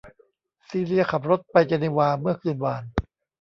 ซีเลียขับรถไปเจนีวาเมื่อคืนวาน